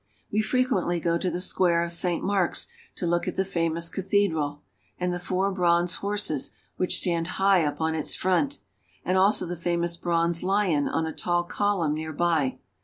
We frequently go to the square of St. Mark's to look at the famous cathedral and the four bronze horses which stand high up on its front; and also the famous bronze lion on a tall column near by.